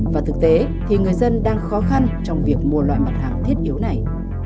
và thực tế thì người dân đang khó khăn trong việc mua loại mặt hàng thiết yếu này